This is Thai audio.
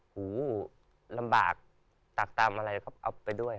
หูลำบากตักตามอะไรครับเอาไปด้วย